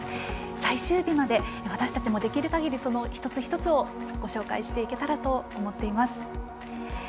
最終日まで私たちもできる限り一つ一つをご紹介していけたらと思っています。